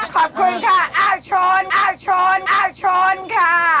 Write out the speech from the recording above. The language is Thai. ขอบคุณค่ะอาชนค่ะ